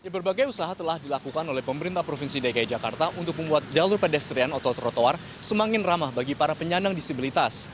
berbagai usaha telah dilakukan oleh pemerintah provinsi dki jakarta untuk membuat jalur pedestrian atau trotoar semakin ramah bagi para penyandang disabilitas